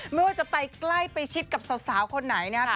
ไม่ว่าจะไปใกล้ไปชิดกับสาวคนไหนนะครับ